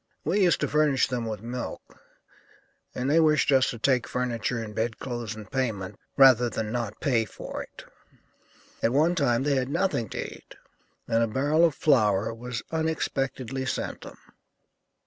We used to furnish them with milk, and they wished us to take furniture and bed clothes in payment, rather than not pay for it. At one time they had nothing to eat, and a barrel of flour was unexpectedly sent them."